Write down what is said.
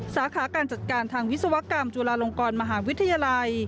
สาขาการจัดการทางวิศวกรรมจุฬาลงกรมหาวิทยาลัย